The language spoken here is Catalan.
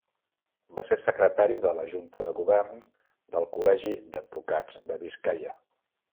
Va ser secretari de la Junta de govern del Col·legi d'Advocats de Biscaia.